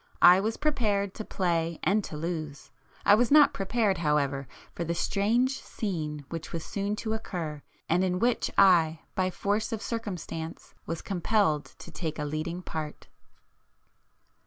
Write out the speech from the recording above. I was prepared to play and to lose,—I was not prepared however for the strange scene which was soon to occur and in which I, by force of circumstances was compelled to take a leading part.